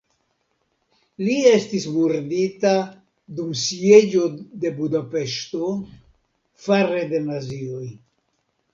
Li estis murdita dum sieĝo de Budapeŝto fare de nazioj.